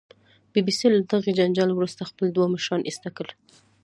بي بي سي له دغې جنجال وروسته خپل دوه مشران ایسته کړل